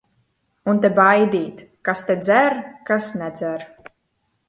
Un te baidīt, kas te dzer, kas nedzer.